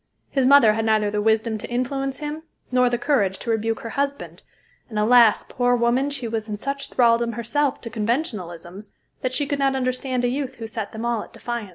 His mother had neither the wisdom to influence him, nor the courage to rebuke her husband; and alas! poor woman, she was in such thraldom herself to conventionalisms, that she could not understand a youth who set them all at defiance.